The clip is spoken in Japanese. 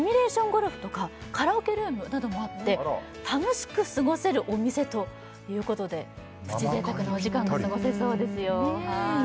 ゴルフとかカラオケルームなどもあって楽しく過ごせるお店ということでプチ贅沢なお時間が過ごせそうですよ